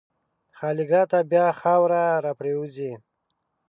خالیګاه ته بیا خاوره راپرېوځي.